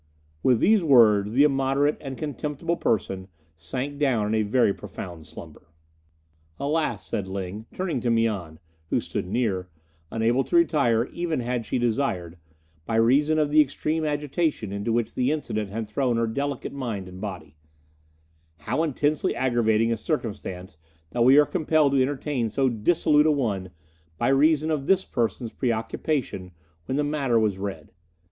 With these words the immoderate and contemptible person sank down in a very profound slumber. "Alas!" said Ling, turning to Mian, who stood near, unable to retire even had she desired, by reason of the extreme agitation into which the incident had thrown her delicate mind and body, "how intensely aggravating a circumstance that we are compelled to entertain so dissolute a one by reason of this person's preoccupation when the matter was read.